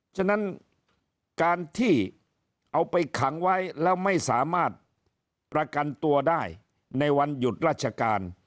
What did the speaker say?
ฉะนั้นการที่เอาไปขังไว้แล้วไม่สามารถประกันตัวได้ในวันหยุดราชการ